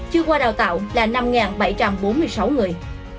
chưa qua đào tạo là năm bảy trăm bốn mươi sáu người